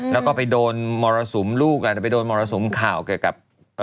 แล้วก็ไปโดนมรสุมลูกอาจจะไปโดนมรสุมข่าวเกี่ยวกับ